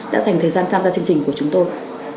đã dành thời gian tham gia chương trình của chúng tôi